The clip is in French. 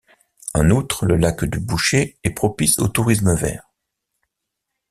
En outre, le lac du Bouchet est propice au tourisme vert.